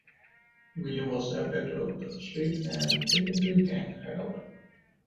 William was abducted off the street and taken to a gang hideout.